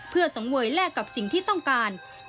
เพื่อสังเวยแลกกับสิ่งที่ต้องการ